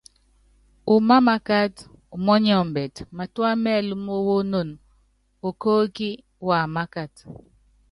Mámákat umɔnyɔmbɛt, matúá mɛɛl mówónon okóóki wamákat.